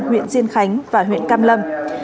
huyện diên khánh và huyện cam lâm